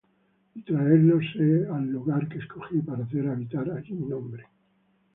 y traerlos he al lugar que escogí para hacer habitar allí mi nombre.